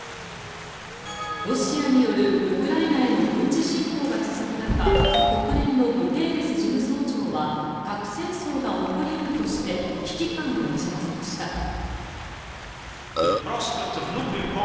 ロシアによるウクライナへの軍事侵攻が続く中国連のグテーレス事務総長は核戦争が起こり得るとして危機感をにじませました。